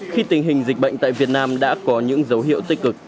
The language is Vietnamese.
khi tình hình dịch bệnh tại việt nam đã có những dấu hiệu tích cực